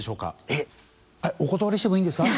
えっお断りしてもいいんですか？